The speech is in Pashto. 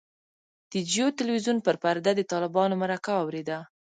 د جیو تلویزیون پر پرده د طالبانو مرکه اورېده.